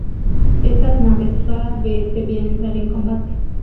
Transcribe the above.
Estas naves rara vez debían entrar en combate.